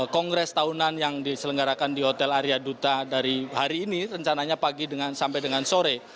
kongres tahunan yang diselenggarakan di hotel arya duta dari hari ini rencananya pagi sampai dengan sore